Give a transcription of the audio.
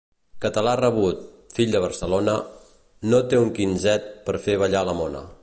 Català rabut, fill de Barcelona: no té un quinzet per fer ballar la mona.